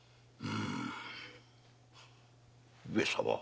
上様